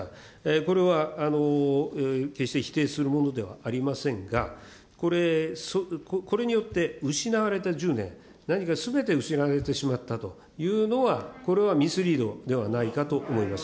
これは決して否定するものではありませんが、これによって、失われた１０年、何かすべて失われてしまったというのは、これはミスリードではないかと思います。